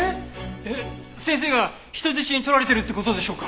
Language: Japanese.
えっ先生が人質に取られてるって事でしょうか？